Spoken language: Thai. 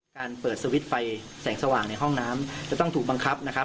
การเปิดสวิตช์ไฟแสงสว่างในห้องน้ำจะต้องถูกบังคับนะครับ